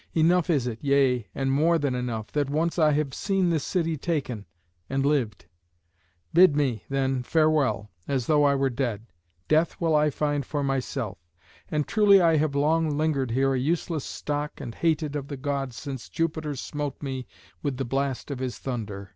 Enough is it, yea, and more than enough, that once I have seen this city taken, and lived. Bid me, then, farewell as though I were dead. Death will I find for myself. And truly I have long lingered here a useless stock and hated of the Gods since Jupiter smote me with the blast of his thunder."